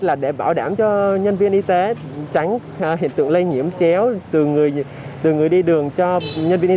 là để bảo đảm cho nhân viên y tế tránh hiện tượng lây nhiễm chéo từ người đi đường cho nhân viên y